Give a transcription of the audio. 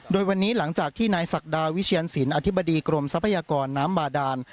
โดยวันนี้หลังจากที่นายศักดาวิเชียนสินอธิบดีกรมทรัพยากรน้ำบาดาน